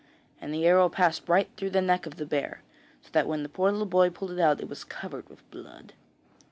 And the arrow passed right through the neck of the bear, so that when the poor little boy pulled it out it was covered with blood.